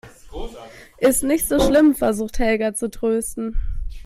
Ist nicht so schlimm, versucht Helga zu trösten.